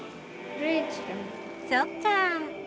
そっか。